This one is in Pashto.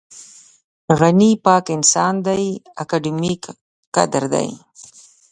غني پاک انسان دی اکاډمیک کادر دی.